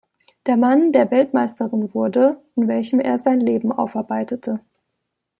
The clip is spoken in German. Der Mann, der Weltmeisterin wurde", in welchem er sein Leben aufarbeitete.